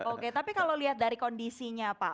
oke tapi kalau lihat dari kondisinya pak